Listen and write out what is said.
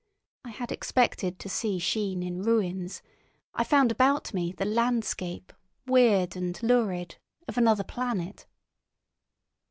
I had expected to see Sheen in ruins—I found about me the landscape, weird and lurid, of another planet.